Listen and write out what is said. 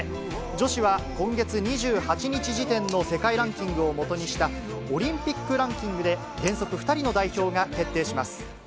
女子は今月２８日時点の世界ランキングを基にした、オリンピックランキングで、原則２人の代表が決定します。